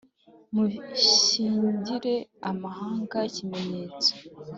Mushingire amahanga ikimenyetso